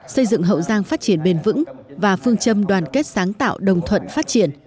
xây dựng hậu giang phát triển bền vững và phương châm đoàn kết sáng tạo đồng thuận phát triển